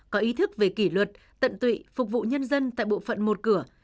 có ý thức về kỷ luật tận tụy phục vụ nhân dân tại bộ phận một cửa